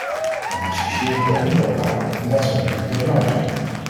Dan discussiëren we onder elkaar en dat zou natuurlijk heel jammer zijn.